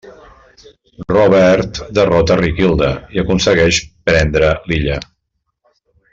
Robert derrota a Riquilda, i aconsegueix prendre Lilla.